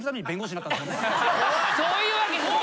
そういうわけじゃない。